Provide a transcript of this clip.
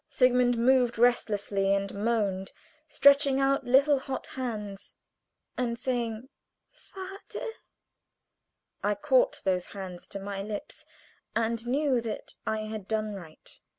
Sigmund moved restlessly and moaned, stretching out little hot hands, and saying "Father!" I caught those hands to my lips, and knew that I had done right.